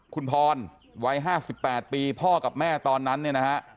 คุณพรวัยห้าสิบแปดปีพ่อกับแม่ตอนนั้นนะฮะ